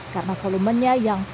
karena volumennya yang terbatas